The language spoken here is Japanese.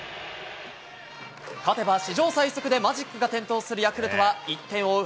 勝てば史上最速でマジックが点灯するヤクルトは、１点を追う